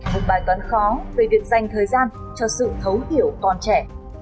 một bài toán khó về việc dành thời gian cho sự thấu hiểu con trẻ